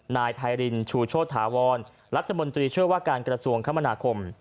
นายพายรินชูโชธาวรรัฐมนตรีเชื่อว่าการกระทรวงคมนาคม